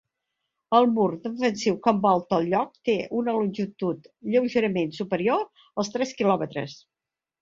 El mur defensiu que envolta el lloc té una longitud lleugerament superior als tres quilòmetres.